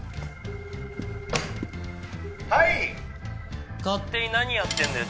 「はい」「勝手に何やってんだよ